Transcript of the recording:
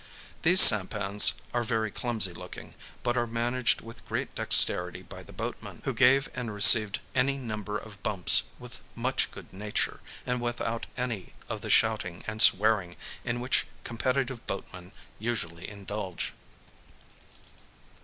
These sampans are very clumsy looking, but are managed with great dexterity by the boatmen, who gave and received any number of bumps with much good nature, and without any of the shouting and swearing in which competitive boatmen usually indulge.